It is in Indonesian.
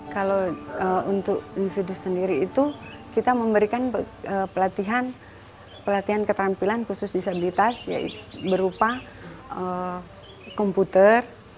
kalau untuk invidu sendiri itu kita memberikan pelatihan keterampilan khusus disabilitas berupa komputer